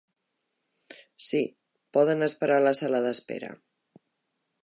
Sí, poden esperar a la sala d'espera.